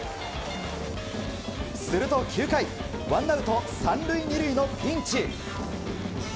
すると９回ワンアウト３塁２塁のピンチ。